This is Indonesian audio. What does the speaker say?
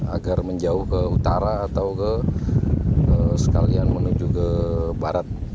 agar menjauh ke utara atau ke sekalian menuju ke barat